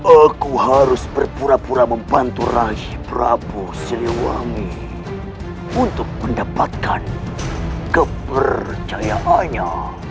aku harus berpura pura membantu raih prabu siliwangi untuk mendapatkan kepercayaannya